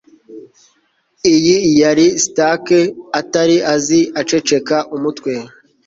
Iyi yari Stark atari azi Aceceka umutwe